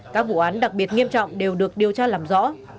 các vụ án đặc biệt nghiêm trọng đều được điều tra làm rõ